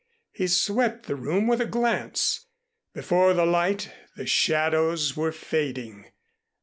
He swept the room with a glance. Before the light the shadows were fading.